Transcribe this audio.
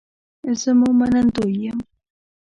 زه مو منندوی یم